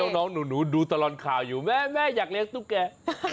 เราลองดูตลอดค่าอยู่แล้วแม่อยากเลี้ยงตุ๊กแก